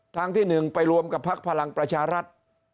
ทางที่๑ไปรวมกับพักพลังประชารัฐ